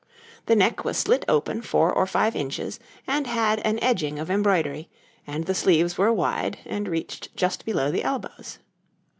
The neck was slit open four or five inches, and had an edging of embroidery, and the sleeves were wide, and reached just below the elbows.